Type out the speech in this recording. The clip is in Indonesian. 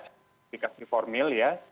verifikasi formil ya